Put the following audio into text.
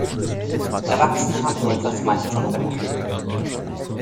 Erwachsene haben so etwas meist schon verlernt.